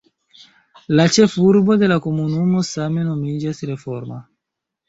La ĉefurbo de la komunumo same nomiĝas Reforma.